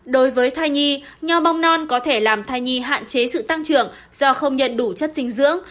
đối với thai nhi nho bong non có thể làm thai nhi hạn chế sự tăng trưởng do không nhận đủ chất dinh dưỡng